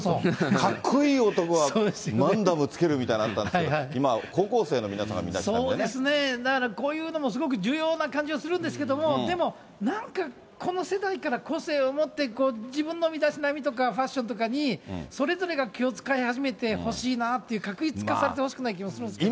かっこいい男はマンダムをつけるみたいなのあったんですけど、今、だからこういうのもすごく重要な感じはするんですけども、でも、なんか、この世代から個性を持って、自分の身だしなみとかファッションとかに、それぞれが気を遣い始めてほしいなと、画一化されてほしくない気はするんですけどね。